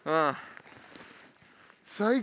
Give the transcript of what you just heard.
最高。